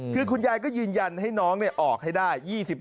คือคุณยายก็ยืนยันให้น้องออกให้ได้๒๕